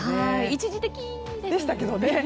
一時的でしたけどね。